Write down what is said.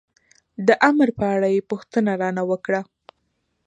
د امر په اړه یې پوښتنه را نه وکړه.